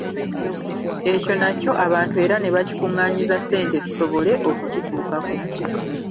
Ekyo nakyo abantu era ne bakikuŋŋaanyiza ssente tusobole okukituukako.